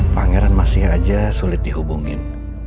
pangeran masih aja sulit dihubungin